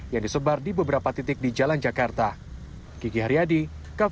yang disebar di beberapa titik di jalan jakarta